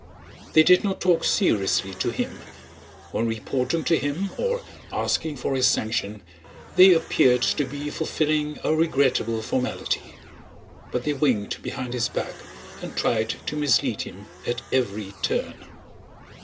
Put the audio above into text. They did not talk seriously to him; when reporting to him or asking for his sanction they appeared to be fulfilling a regrettable formality, but they winked behind his back and tried to mislead him at every turn.